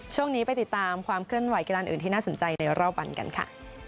ช่วงนี้ไปติดตามความเคลื่อนไหกีฬาอื่นที่น่าสนใจในรอบวันกันค่ะ